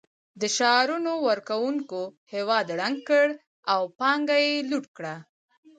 د شعارونو ورکونکو هېواد ړنګ کړ او پانګه یې لوټ کړه